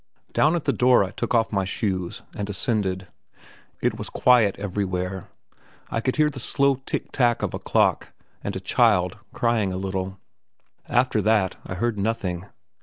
Down at the door I took off my shoes, and ascended. It was quiet everywhere. I could hear the slow tick tack of a clock, and a child crying a little. After that I heard nothing.